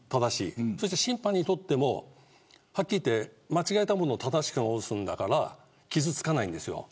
そして審判にとってもはっきり言って間違えたものを正しく直すのだから傷つかないんですよ。